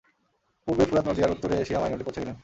পূর্বে ফুরাত নদী আর উত্তরে এশিয়া মাইনরে পৌঁছে গেলেন।